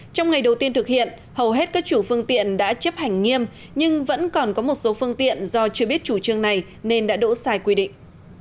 trong ngày đầu tiên thực hiện hầu hết các chủ phương tiện đã chấp hành nghiêm nhưng vẫn còn có một số phương tiện do chưa biết chủ trương này nên đã đỗ sai quy định